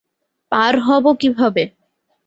পার হবো কীভাবে?